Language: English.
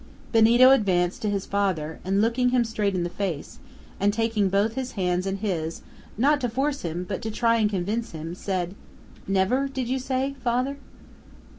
Benito advanced to his father, and looking him straight in the face, and taking both his hands in his, not to force him, but to try and convince him, said: "Never, did you say, father?"